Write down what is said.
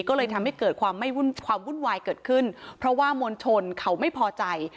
ก็เลยทำให้เกิดความวุ่นวายเกิดขึ้นเพราะว่ามนทนเขาไม่พอใจ